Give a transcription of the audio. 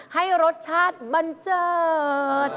ให้รสชาติบันเจิด